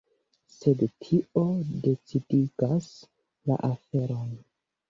Sed tio decidigas la aferon.